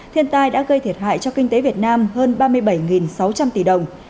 thiên tai đã gây thiệt hại cho kinh tế việt nam hơn ba mươi bảy sáu trăm linh tỷ đồng